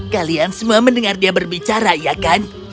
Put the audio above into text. kalian semua mendengar dia berbicara ya kan